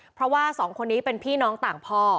เพราะว่าสองคนนี้เป็นพี่น้องต่างพ่อ